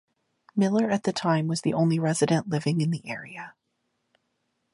Miller at the time was the only resident living in the area.